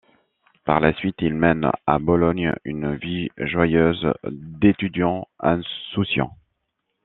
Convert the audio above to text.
Par la suite, il mène à Bologne une vie joyeuse d'étudiant insouciant.